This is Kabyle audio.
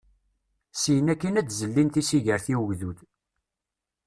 Syen akkin ad zellin tisigert i ugdud.